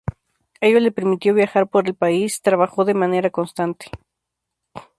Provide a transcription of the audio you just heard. Ello le permitió viajar por el país; trabajó de manera constante.